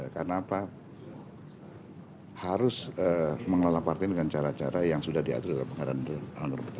karena apa harus mengelola partai dengan cara cara yang sudah diatur oleh pengarah dan penerbit